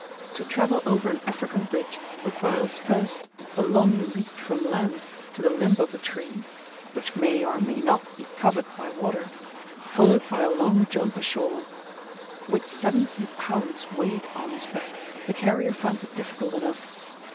To travel over an African bridge requires, first, a long leap from land to the limb of a tree (which may or may not be covered by water), followed by a long jump ashore. With 70 lbs. weight on his back, the carrier finds it difficult enough.